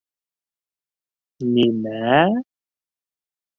«Нимә?!»